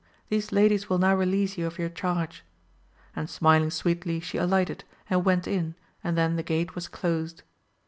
these ladies will now release ye of your charge ; and smiling sweetly she alighted and went in and then the gate was closed.